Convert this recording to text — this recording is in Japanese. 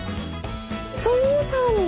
そうなんだ。